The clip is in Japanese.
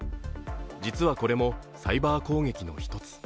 実はこれもサイバー攻撃の一つ。